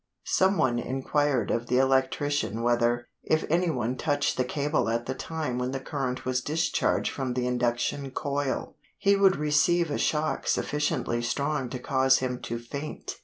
Some one inquired of the electrician whether, if any one touched the cable at the time when the current was discharged from the induction coil, he would receive a shock sufficiently strong to cause him to faint.